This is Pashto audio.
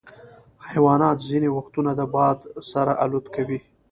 حیوانات ځینې وختونه د باد سره الوت کوي.